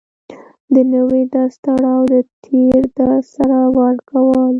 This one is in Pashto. د نوي درس تړاو د تېر درس سره ورکول